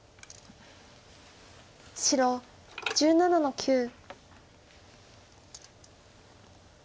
白１７の九。